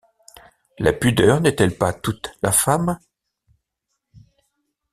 La pudeur n’est-elle pas toute la femme ?